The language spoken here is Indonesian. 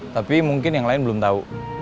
tapi mungkin yang lain belum tahu